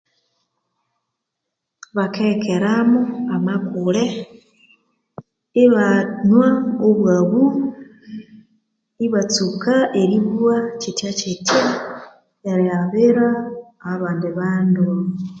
Bakahekeramu amakule ibanywa obwabu ibatsuka eribugha eribugha kyitya kyitya erihabira abandi bandu.